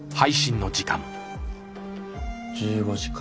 １５時か。